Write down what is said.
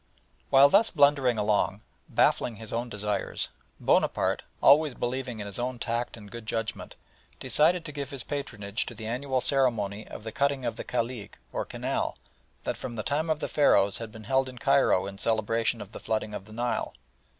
While thus blundering along, baffling his own desires, Bonaparte, always believing in his own tact and good judgment, decided to give his patronage to the annual ceremony of the Cutting of the Khalig, or canal, that from the time of the Pharaohs has been held in Cairo in celebration of the flooding of the Nile.